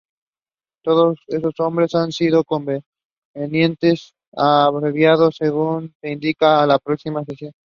Todos esos nombres han sido convenientemente abreviados según se indica en la próxima sección.